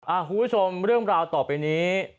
คุณผู้ชมเรื่องราวต่อไปนี้